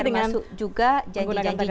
dengan penggunaan tagar ini